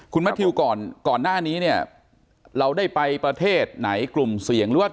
ดูก่อนหน้านี้เนี่ยเราได้ไปประเทศไหนกลุ่มเสี่ยงรวด